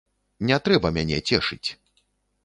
Не трэба мяне цешыць.